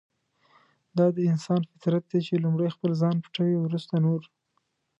دا د انسان فطرت دی چې لومړی خپل ځان پټوي ورسته نور.